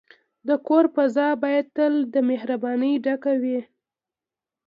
د کور فضا باید تل د مهربانۍ ډکه وي.